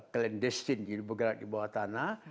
clandestine jadi bergerak di bawah tanah